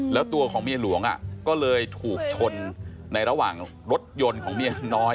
แล้วตัวของเมียหลวงก็เลยถูกชนในระหว่างรถยนต์ของเมียน้อย